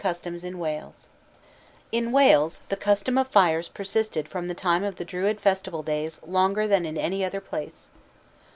] CHAPTER X IN WALES In Wales the custom of fires persisted from the time of the Druid festival days longer than in any other place.